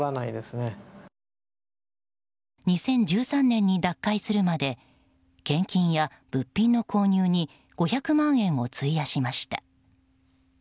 ２０１３年に脱会するまで献金や物品の購入に５００万円を費やしました。